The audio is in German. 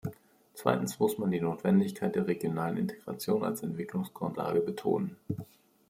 Zweitens muss man die Notwendigkeit der regionalen Integration als Entwicklungsgrundlage betonen.